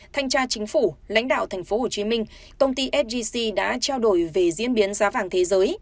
thanh tra chính phủ lãnh đạo tp hcm công ty sgc đã trao đổi về diễn biến giá vàng thế giới